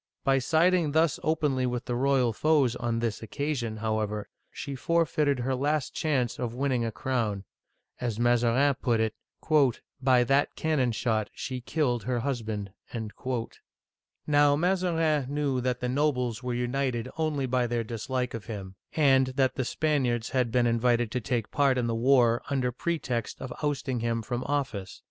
By siding thus openly with the royal foes on this occasion, however, she forfeited her last chance of win ning a crown ; as Maza rin put it, " By that cannon shot she killed her husband !" Now Mazarin knew that the nobles were united only by their dislike of him, and that the Spaniards had been in vited to take part in the war under pretext of ousting him from office.